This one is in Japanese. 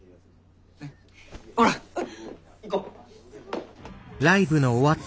ねっほら行こう。